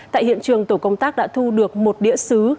tại hiện trường tổ công tác đã thu được một đĩa xứ